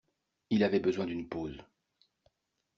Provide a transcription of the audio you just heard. Il avait besoin d’une pause.